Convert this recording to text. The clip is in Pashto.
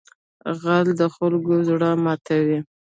غل د خلکو زړه ماتوي